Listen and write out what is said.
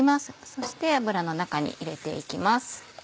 そして油の中に入れて行きます。